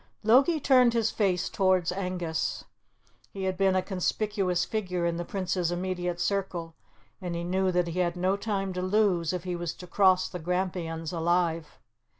Logie turned his face towards Angus. He had been a conspicuous figure in the Prince's immediate circle, and he knew that he had no time to lose if he was to cross the Grampians alive.